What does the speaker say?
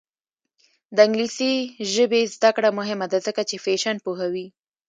د انګلیسي ژبې زده کړه مهمه ده ځکه چې فیشن پوهوي.